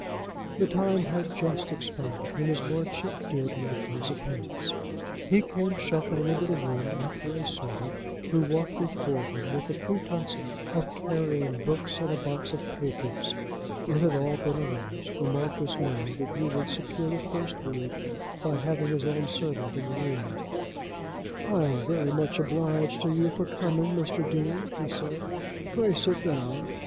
The time had just expired when his lordship did make his appearance. He came shuffling into the room after a servant, who walked before him with the pretence of carrying books and a box of papers. It had all been arranged, the Marquis knowing that he would secure the first word by having his own servant in the room. "I am very much obliged to you for coming, Mr. Dean," he said. "Pray sit down.